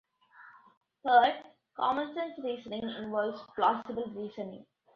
Third, commonsense reasoning involves plausible reasoning.